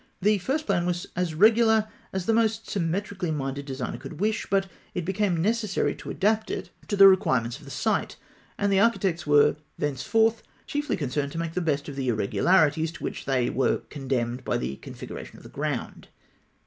The first plan was as regular as the most symmetrically minded designer could wish; but it became necessary to adapt it to the requirements of the site, and the architects were thenceforth chiefly concerned to make the best of the irregularities to which they were condemned by the configuration of the ground.